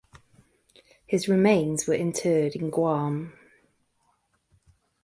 His remains were interred in Guam.